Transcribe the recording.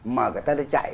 mà người ta đã chạy